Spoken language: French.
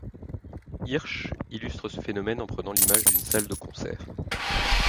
Hirsch illustre ce phénomène en prenant l'image d'une salle de concert.